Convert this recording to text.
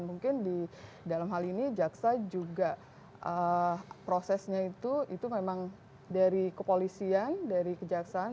mungkin di dalam hal ini jaksa juga prosesnya itu memang dari kepolisian dari kejaksaan